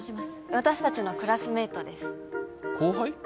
私達のクラスメイトです後輩？